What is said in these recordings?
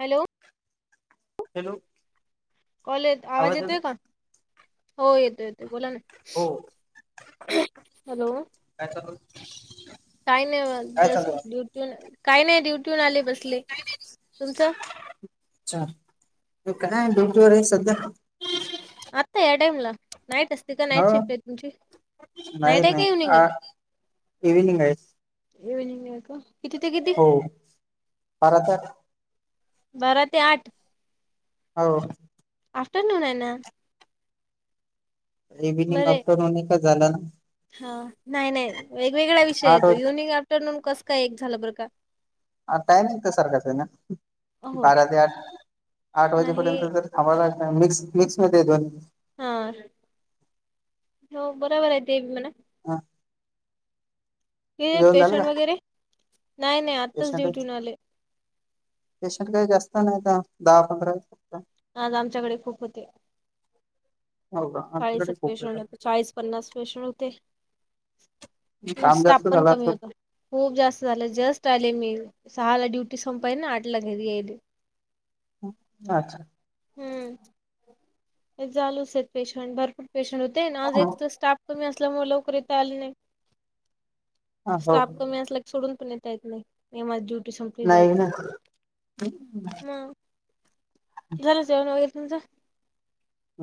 Hello hello call येत आवाज येतोय का? हो येतो येतो बोला ना हो हॅलो काय चालुय? काय नाय व जस्ट ड्युटी काय नाय ड्युटीहून आले बसले तुमचं अच्छा [unintelligible] आता या टाईमला नाईट अस ती का हो नाईट शिफ्ट आहे तुमची नाही नाईट आहे? का नाही इव्हनिंग आहे? आ इव्हनिंग आहे इव्हनिंग आहे का किती ते कित हो बारा ते आठ बारा ते आठ. हो. आफ्टरनून आहे ना. इव्हनिंग बरे आफ्टरनून एकच झालं ना? हा नाय नाय वेगवेगळा विषय ये आठ तो. वाज इव्हनिंग आफ्टरनून कस काय एक झालं बर का? हा टायमिंग तर सारखाच आहे ना. हो बारा ते आठ आठ आहे वाजेपर्यंत तर आम्हाला वाटत मिक्स मिक्समध्ये दोन्ही हा हो बरोबर आहे ते म्हणा. हा. हे जेवण झालं पेशंट का वगैरे नाय नाय आत पेशंट आहेत पेशंट काय जास्त नाय आता दहा पंधरा आहेत ना. आज आमच्याकडे खूप होते. हो का आमच्याकडे चाळीसक खूप पेन्शट येतात चाळीस पन्नास पेन्शंट होते. हं काम स्टाप जास्त पण झाला कमी होता. असेल खूप जास्त झालं जस्ट आले मी सहाला ड्युटी संपाई ना आठला घरी याईले. अच्छा् ते चालूच येत पेन्शंट भरपूर पेन्शंट होते ना आज एक त हा, स्टाफ कमी असल्यामुळे लवकर येता आलं नाही हो स्टाप कमी असला सोडून पण येता येत नाही मी माझ ड्युटी संपली नाही जायचं ना म झालं जेवण वगैरे तुमचं?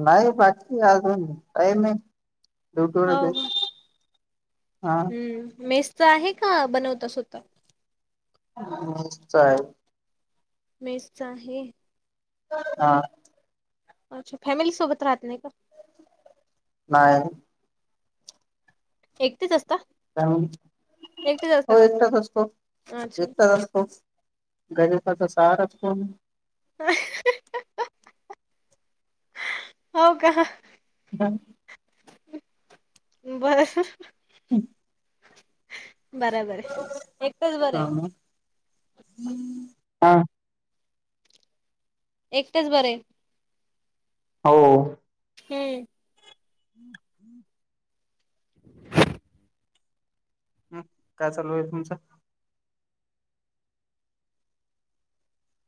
नाही बाकी अजून टाईमय, हो ड्युटीवरचय. का हम्म मेसच आहे का, बनवता स्वतः? हा हा चालेल. मेसचा आहे. हा. अच्छा, फॅमिलीसोबत राहत नाही का? नाही. एकटेच असता? [unintelligible] एकटेच असता हो का एकटाच असतो, अच्छा एकटाच असतो. गरिबांचा सहारा कोण? हो का? हां. बर. [unintelligible] बराबराय, एकटंच बरंय. हा एकटच बरंय. हो. हम्म. हम्. हम्म काय चालू आहे तुमच?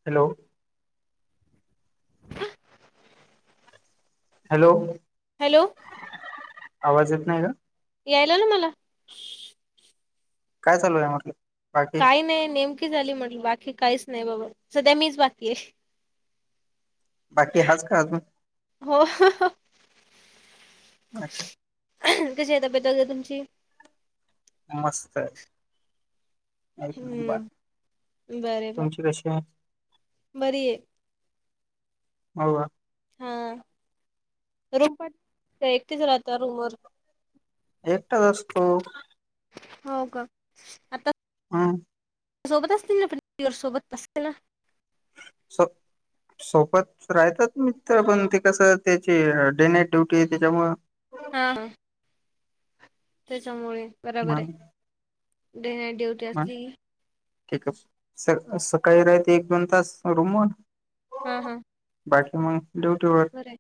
हॅलो. हॅलो. हॅलो. आवाज येत नाहीय का? यायला ना मला. काय चालू आहे म्हटलं. बाकी काही नाही नेमकी झाली म्हटलं बाकी काहीच नाही बाबा. सध्या मीच बाकी आहे. बाकी हाच का अजून. हो. अच्छा. कशी आहे तब्येत आता तुमची? मस्त. एक नंबर हम्म बरे ब, तुमची कशी आहे बरीय. हो का. हा, रूम पण एकटीच राहता रूमवर? एकटाच असतो. हो का. आता हा. सोबत असतील ना प [unintelligible] सोबत असतील ना? [unintelligible] सोबत राहतात मित्र पण ते कसं, त्याचे डे नाईट ड्युटी आहे त्यांच्यामुळे हा हा. त्याच्यामुळे बराबराय, डे नाईट ड्यू म ठीकच. स सकाळी रायते एक दोन तास रूमवर हा हा. बाकी मग ड्युटीवर, बरं आहे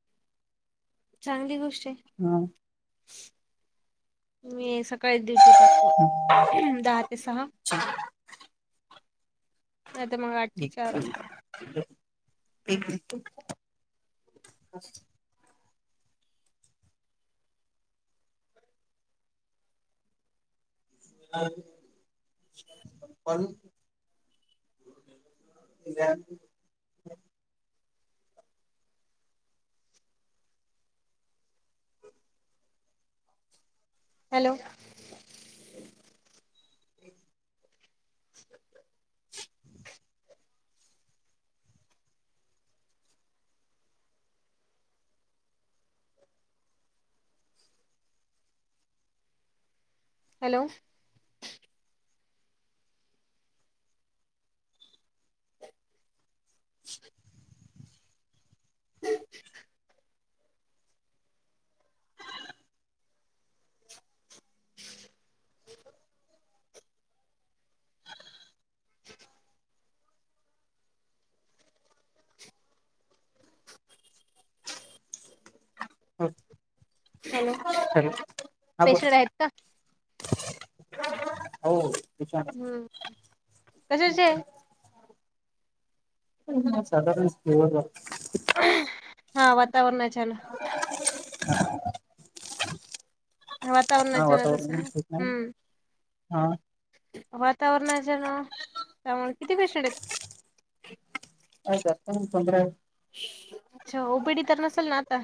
चांगली गोष्ट आहे ह. मी सकाळी ड्युटी [unintelligible] [unintelligible] हम दहा ते सहा नाही तर मग, आठ ते क चार क असते. [unintelligible] पण [unintelligible] हॅलो. [inaudible] [inaudible] हॅलो [unintelligible] [unintelligible] [unintelligible] हॅलो हा बोल पेशंट आहेत का अहो हम्म कशाची आहे. साधारणत [unintelligible] हा वातावरण अचाानक [unintelligible] हा वातावरणातच्याच असं ना वातावरण ठीक नाही हम्म. हा वातावरणाच्या ना त्यामुळे किती पेशंट आहेत? आहेत, पंधरा आहेत अच्छा ओपीडी तर नसेल ना आता,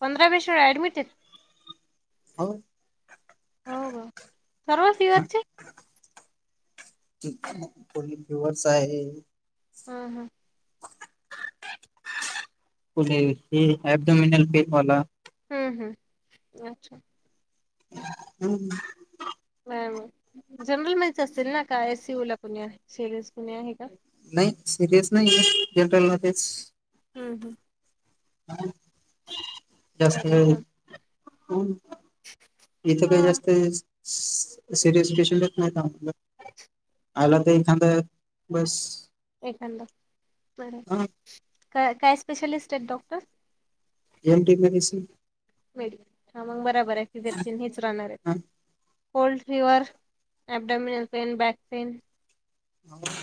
पंधरा पेशंट ऍडमिट आहेत. हाव हो ग सर्व फिवरचे, कोणी फिव्हर्सच आहे. हम हम [unintelligible] ते ॲप डॉमीनल फेक वाला- हम्म हम्, अच्छा. हम्म मॅम जनरल मधेच असतील ना काय आय सी यु ला कुणी आहे सिरीयस कुणी आहे का? नाही सिरियस नाही. जनरल मध्येच हम् हम् जास्त वेळ बर [unintelligible] इथं काही हा जास्त वेळेस सिरियस पेशंट येत नाहीत आम्हाला, आला तेही खांदा बस. एक नंबर बर, हा काय स्पेशलिस्ट आहेत doctor? M K B B C medicine हा मग बराबर आहे [unintelligible] राहणार आहेत हा cold, fever, abdominal pain, back pain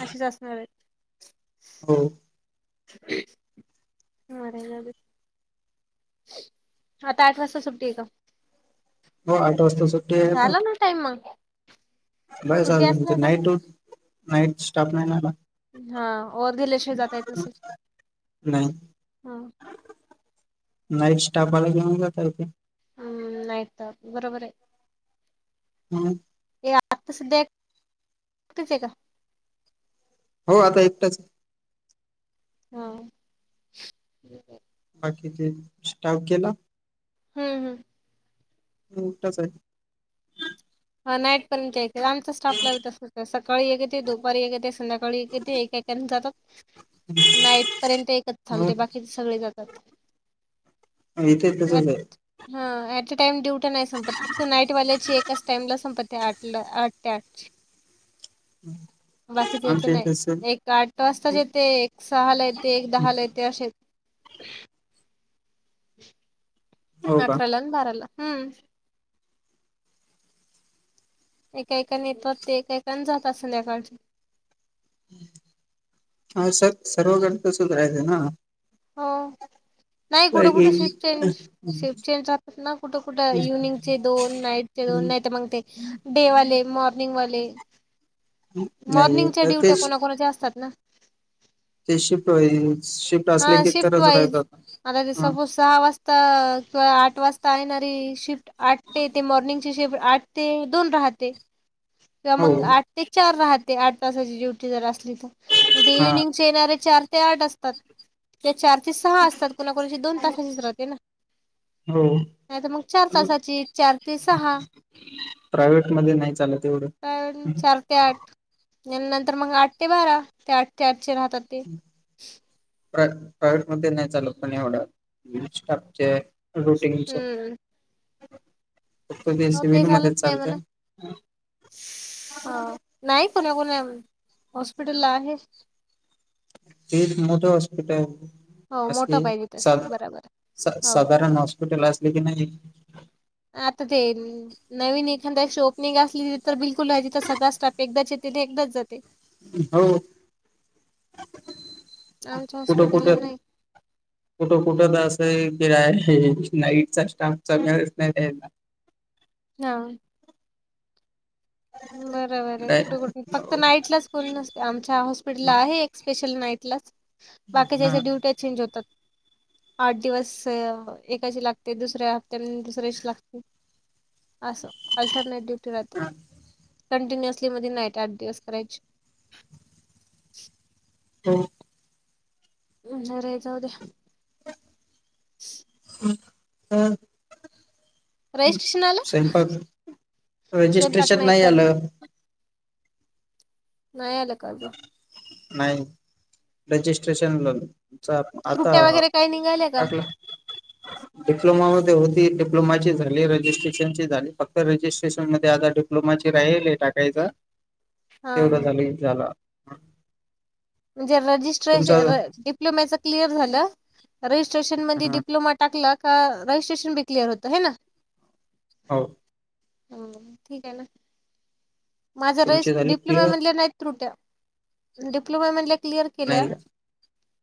अशीच असणार आहेत. हो [unintelligible] आता आठ वाजता सुट्टी आहे का? हो आठ वाजता सुट्टी आहे आता. टाइमआउट बाय चाल नाही तिथं नाईट ड्यूट नाईट स्टाफ नाही ना आला. हा ओवर गेल्याशिवाय जाता येत नसेल नाही. हा नाईट स्टाफ आला की मग जाता येते. हम्म नाहीयत बरोबर आहे. [unintelligible] आता सध्याच एकच आहे का? हो आता एकटाच आहे. हा. स्टाफ गेला? हम् हम एकटाच आहे. नाईट पर्यंत एक आमचा स्टाफ ला तसच सकाळी एक येते दुपारी एक येते संध्याकाळी सकाळी ते एका एकाने जातात नाईट पर्यंत एकच हो थांबते बाकीचे सगळे जातात. इथे तसच आहे. हा अ ऑटे टाइम ड्युटया नाही संपत फक्त नाईटवाल्याची एकाच संपत्ती आठ ला आठ ते आठ. हम [unintelligible] बाकीच्याची नाही एक आठ वाजताच येते एक सहाला येते एक दहाला येते असे हो का अकरालान, बाराला हम्म. एका एकाने येतात ते एका एकाने जातात संध्याकाळी. ह स सर्व जण तर तसेच राहेतना हो नाही कुठे कुठे शिफ्ट चेंज शिफ्ट चेनज राहतात ना कुठं, कुठं इव्हनिंग चे दोन नाईट चे दोन नाही तर मग ते डे वाले, मॉर्निंग वाले नाही मॉर्निंगच्या ते डुट्या कोणाकणाच्या असतात ना. ते शिफ्ट व शिफ्ट असले हा की शिफ्ट तरच वाईज रायतात ते आता ह सपोज सहा वाजता किंवा आठ वाजता येणारी शिफ्ट आठ ते ते मॉर्निंग शिफ्ट आठ ते दोन राहते. किंवा हो मग आठ ते चार राहते आठ तासाची ड्युटी जर असली तर मग ते हा इव्हनिंग ते डायरेक्ट चार ते आठ असतात. त्या चार ते सहा असतात कुणाकोणाचे दोन तासाचीच राते ना... हो नाही तर मग चार तासाची चार ते सहा. प्रायव्हेट मध्ये नाही चालत. एवढं तर चार ते आठ नंतर मग आठ ते बारा ते आठ ते आठचे राहतात ते. प्र प्रायवहेट मध्ये नाही चालत पण एवढं स्टाफचे रोटीगंच हम्म ते हो सिव्हल मध्येच चालत. हा नाही कोणा कोणा हॉस्पिटल ला आहे. तेच एक मोठं हॉस्पिटल. हो मोठं असली पाहिजे तस सा बरोबर आहे. साधारण हॉस्पिटल असले की नाही. आता ते नवीन एखाद्याची शोओपनिंग असली त तर बिलकुल तिथ सगळा स्टाफ एकदाच येते ते एकदाच जाते. हो आमच्या कुठं हॉस्पिटलला कुठं नाही कुठं कुठ तर असं आहे कि नाईटचा स्टाफचा वेळच नाही द्यायला. हा. बरं बरं काय कुठ कुठ. फक्त नाईटलाच कोणी नसतं आमच्या हॉस्पिटलला आहे एक स्पेशल नाईटलाच बाकी ज्यांच्या हा ड्युटी चेंज होतात. आठ दिवस एकाशी लागते दुसऱ्या हप्त्या दुसऱ्याशी लागते. अस आल्टर्नेट ड्यटी राहते. ह. कंटिन्युअसली मध्ये नाईट आठ दिवस करायची. हो. [unintelligible] जाऊ द्या हम हम रजिस्ट्रेशन आलं स्वयंपाक स्वयंपाक रजिस्ट्रेशन नाही करणार आलं नाही आला काजं नाही रेजिस्ट्रेशन [unintelligible] आता त्रुट्या वगैरे काही निघाल्या का कालं. [unintelligible] डिप्लोमा मध्ये होती डिप्लोमाची झाली, रजिस्ट्रेशन ची झाली, फक्त रजिस्ट्रेशन मध्ये आता िप्लोमाची रा आहेल टाकायच हा तेवढं हा झा झाला. म्हणेे तुमचा डिप्लोमच क्लर हा झाि्रेनप्ो ाकलं का रजिस्ट्रेशन बी क्िअर होतं आहे ना, हो ह ठीक आहे ना माझा र तुमची झाली डिप्लोमा क्लिअर मधलं नाही. तुट्या डिप्लोमा म्हधल्या क्लिअर केल्या. नाही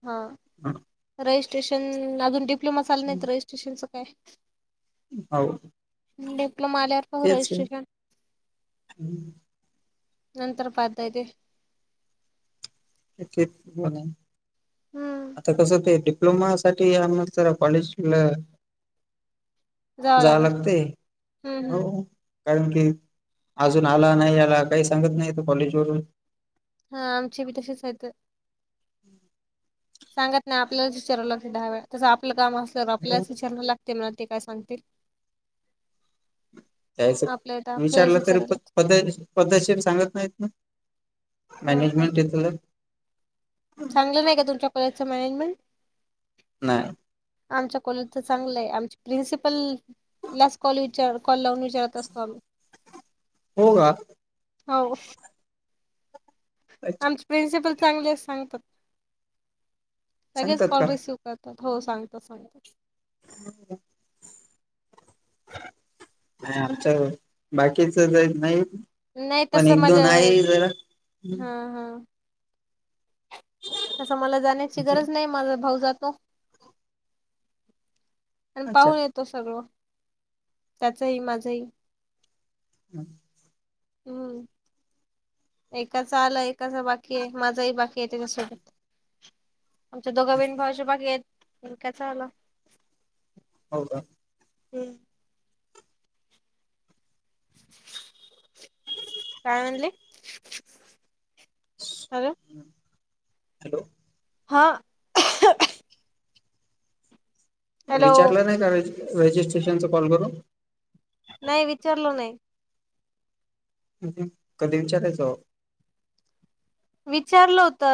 हा रजिस्ट्रेशन अजून डिप्लोमा चालला नाहीत रजिस्ट्रेशनच काय. हो. म डिप्लोमा आल्या तेच रजिस्ट्रेशन आहे नंतर पद्धती. हेच बला. हम्म आता कसं ते डिप्लोमासाठीठी आम ज कॉलेज जावं जाव लागेल लागते हम्म हम्म हो. कारण की अजून आला नाही आला काही सांगत नाही त कॉलेज वरून हा आमचे बी तसेच आहेत. सांगत नाही आपल्यालाच विचारव लाग डहाव्या तसं आपलं काम असलं तर आपल्याला विचारयं लागते मला ते काय सांगतील. त्याच आपल्या तर आपल्यालाच विचारलं तरी विचारायला प लागते पदक्षेप सांगत नाहीत ना. हो का मॅनेजमेंटेत. चांगलं नाही का तुमच्या कॉजचं मॅनेजमेंट. नाही. आमच्या कॉलेज तर चांगलं आहे आमचे प्रिन्सिपल लास कॉल विचार कॉल लावून विचारत असतो आम्ही. होवा. हो आ प्रिन्सिपल चांगले सांगतात सगळेच सांगतात का कॉल रिसीव करतात हो सांगत. तस. हम. आच्या बाकीच नाही. नाही पण तसं एक माझ्या दोन आहे जरा. हा हा. तसं मला जाण्याची गरज नाही माझा भाऊ जातो. आणि अच्छा पाहून येतो सगळं त्याचही माझंही. हां. हम्म. एकाच आला एकाचा बाकी आहे माझाही बाकी आहे त्याच्यासोबत आमच्या दोघ बिन भाऊच्या बाकी आहेत कचा आला हो का हम्म काय म्हणले हल हॅलो हा हॅलो विचारलं नाही का रजिस्ट्रेशनचा कॉल करून नाही विचारलं नाही म्ह कधीमच्या त्याच. विचारलं होत.